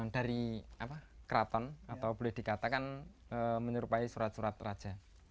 dari keraton atau boleh dikatakan menyerupai surat surat raja